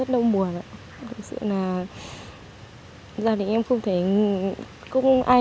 trong lúc này trong lúc này